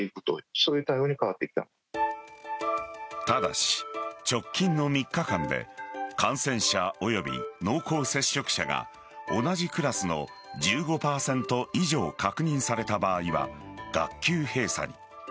ただし、直近の３日間で感染者および濃厚接触者が同じクラスの１５％以上確認された場合は学級閉鎖に。